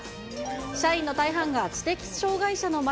社員の大半が知的障がい者の町